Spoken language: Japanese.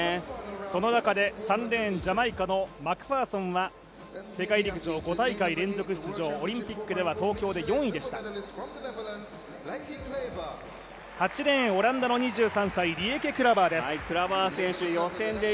その中で３レーン、ジャマイカのマクファーソンは世界陸上５大会連続出場オリンピックでは東京で４位でした８レーン、オランダの２３歳リエケ・クラバー選手です。